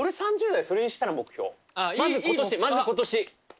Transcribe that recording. まず今年まず今年。